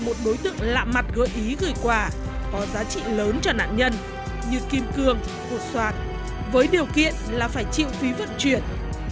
một đối tượng lạ mặt gợi ý gửi quà có giá trị lớn cho nạn nhân như kim cương cụt xoaạt với điều kiện là phải chịu phí vận chuyển